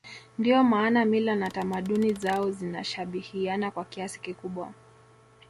Ndio maana mila na tamaduni zao zinashabihiana kwa kiasi kikubwa